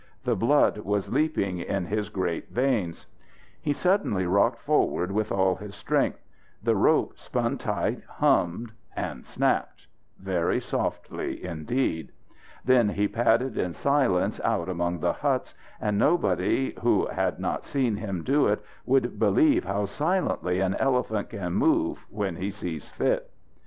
The blood was leaping in his great veins. He suddenly rocked forward with all his strength. The rope spun tight, hummed, and snapped very softly indeed. Then he padded in silence out among the huts, and nobody who had not seen him do it would believe how silently an elephant can move when he sees fit.